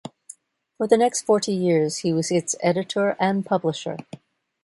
For the next forty years, he was its editor and publisher.